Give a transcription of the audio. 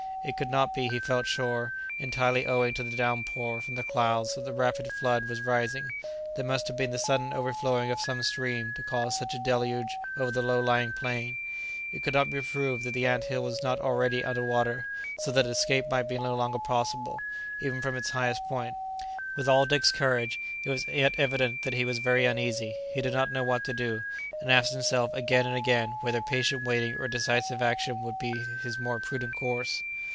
It could not be, he felt sure, entirely owing to the downpour from the clouds that the rapid flood was rising; there must have been the sudden overflowing of some stream to cause such a deluge over the low lying plain. It could not be proved that the ant hill was not already under water, so that escape might be no longer possible, even from its highest point. With all Dick's courage, it was yet evident that he was very uneasy; he did not know what to do, and asked himself again and again whether patient waiting or decisive action would be his more prudent course.